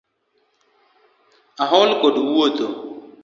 Aol kod wuotho